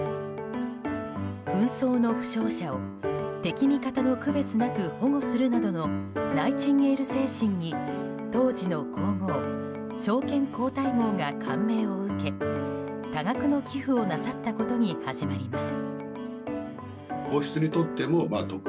紛争の負傷者を敵、味方の区別なく保護するなどのナイチンゲール精神に当時の皇后昭憲皇太后が感銘を受け多額の寄付をなさったことに始まります。